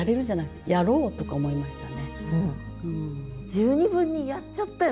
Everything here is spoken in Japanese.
十二分にやっちゃったよね